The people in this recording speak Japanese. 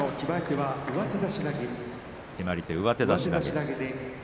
決まり手、上手出し投げ。